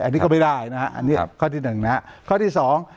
อันนี้ก็ไม่ได้นะฮะอันนี้ข้อที่หนึ่งนะฮะข้อที่สอง